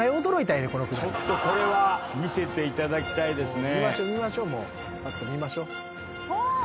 ちょっとこれは見せていただきたいですね。